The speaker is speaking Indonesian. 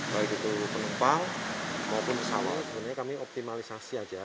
baik itu penumpang maupun pesawat sebenarnya kami optimalisasi aja